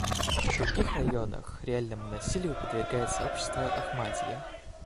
В других районах реальному насилию подвергается сообщество «Ахмадья».